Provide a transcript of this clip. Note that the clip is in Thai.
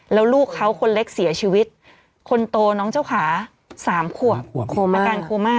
แล้วลูกเขาคนเล็กเสียชีวิตคนโตน้องเจ้าขา๓ขวบอาการโคม่า